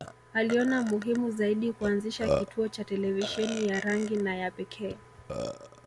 Aliona muhimu zaidi kuanzisha kituo cha televisheni ya rangi na ya pekee